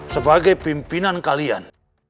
sebagai pimpinan kalian